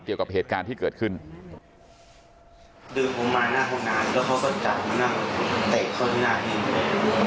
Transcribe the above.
เกี่ยวกับเหตุการณ์ที่เกิดขึ้นดึงผมมาหน้าห้องน้ำแล้วเขาก็จับมานั่งเตะเข้าที่หน้าพี่เลย